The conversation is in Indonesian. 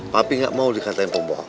tapi gak mau dikatain bobo